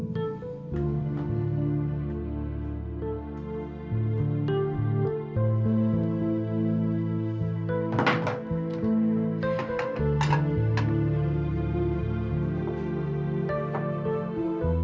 dali tuh mayat mayat biar ada kerjaan biar enggak nganggur